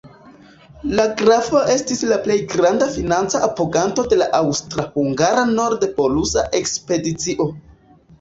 La grafo estis la plej granda financa apoganto de la aŭstra-hungara nord-polusa ekspedicio.